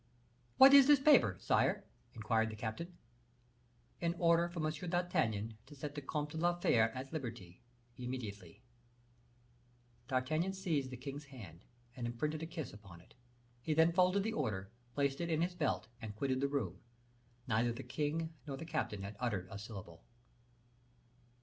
"What is this paper, sire?" inquired the captain. "An order for M. d'Artagnan to set the Comte de la Fere at liberty immediately." D'Artagnan seized the king's hand, and imprinted a kiss upon it; he then folded the order, placed it in his belt, and quitted the room. Neither the king nor the captain had uttered a syllable.